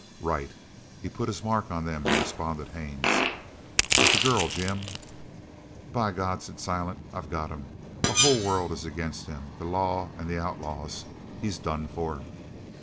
"Right. He's put his mark on them," responded Haines, "but the girl, Jim!" "By God!" said Silent. "I've got him! The whole world is agin him the law an' the outlaws. He's done for!"